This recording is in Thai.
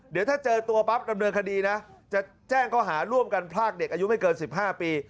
เดี๋ยวถ้าเจอตัวปั๊บดำเนินคดีนะจะแจ้งเขาหาร่วมกันพรากเด็กอายุไม่เกิน๑๕ปี